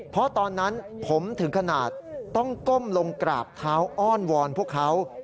เพราะตอนนั้นผมถึงขนาดต้องก้มลงกราบเท้าอ้อนวอนพวกเขา